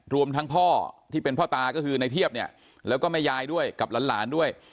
รวมทั้งพ่อที่เป็นพ่อตาก็คือในเทียบเนี่ยแล้วก็แม่ยายด้วยกับหลานด้วย